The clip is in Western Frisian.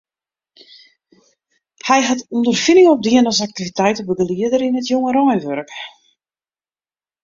Hy hat ûnderfining opdien as aktiviteitebegelieder yn it jongereinwurk.